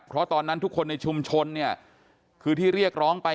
เพราะตอนนั้นทุกคนในชุมชนเนี่ยคือที่เรียกร้องไป